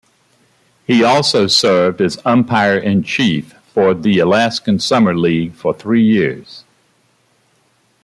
He also served as umpire-in-chief for the Alaskan summer league for three years.